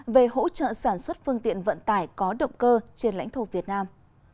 về hỗ trợ sản xuất phương tiện vận tải có động cơ trên lãnh thổ việt nam